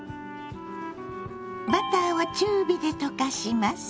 バターを中火で溶かします。